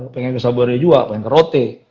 pengen ke saburai jua pengen ke rote